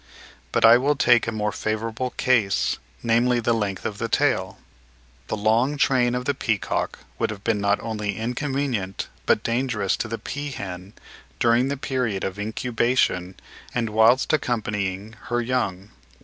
But I will take a more favourable case, namely the length of the tail. The long train of the peacock would have been not only inconvenient but dangerous to the peahen during the period of incubation and whilst accompanying her young.